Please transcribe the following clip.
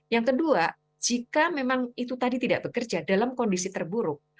yang kedua jika memang itu tadi tidak bekerja dalam kondisi terburuk